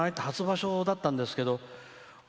初場所だったんですけど。